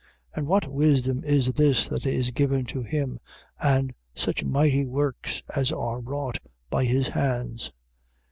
and what wisdom is this that is given to him, and such mighty works as are wrought by his hands?